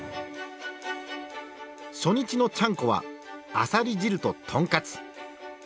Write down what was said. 初日のちゃんこはあさり汁と豚カツ。